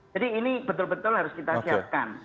jadi ini betul betul harus kita siapkan